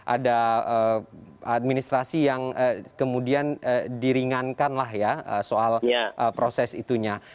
ada administrasi yang kemudian diringankan lah ya soal proses itunya